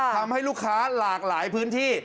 ทำให้ลูกค้าหลากหลายพื้นที่